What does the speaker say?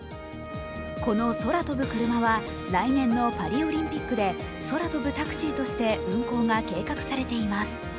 この空飛ぶクルマは、来年のパリオリンピックで空飛ぶタクシーとして運航が計画されています。